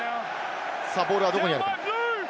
ボールはどこにある？